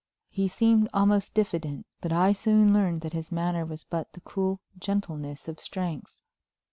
He seemed almost diffident, but I soon learned that his manner was but the cool gentleness of strength.